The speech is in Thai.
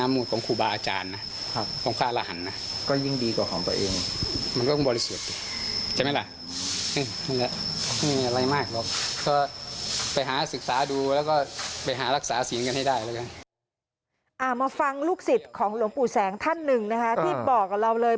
มาฟังลูกศิษย์ของหลวงปู่แสงท่านหนึ่งนะคะที่บอกกับเราเลย